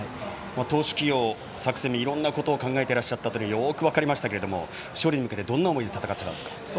投手起用、作戦いろんなことを考えらっしゃったのがよく分かりましたが勝利に向けてどんな思いで戦ってらっしゃったんですか。